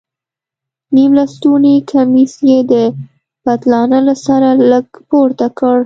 نيم لستوڼى کميس يې د پتلانه له سره لږ پورته کړ.